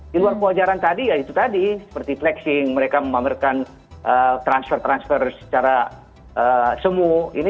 di luar kewajaran tadi ya itu tadi seperti flexing mereka memamerkan transfer transfer secara semu